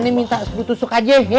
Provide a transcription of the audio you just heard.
aneh minta putusuk aja ya